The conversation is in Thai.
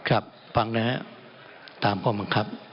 ครับฟังนะฮะตามข้อบังคับ